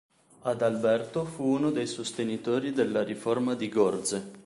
Adalberto fu uno dei sostenitori della Riforma di Gorze.